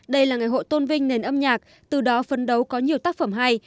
đây là ngày hội tôn vinh nền âm nhạc từ đó phân đấu có nhiều tác phẩm hay